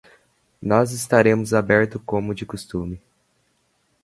Nós estaremos abertos como de costume.